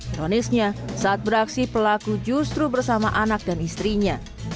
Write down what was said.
ironisnya saat beraksi pelaku justru bersama anak dan istrinya